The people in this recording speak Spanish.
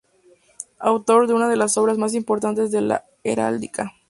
Autor de una de las obras más importantes de la heráldica.